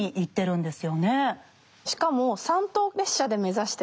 しかも三等列車で目指してて。